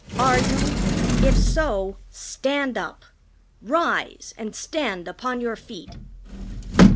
Are you? If so, stand up. Rise, and stand upon your feet."